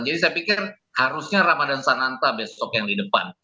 jadi saya pikir harusnya ramadhan seranta besok yang di depan